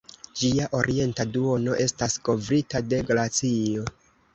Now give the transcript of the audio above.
Ĝia orienta duono estas kovrita de glacio.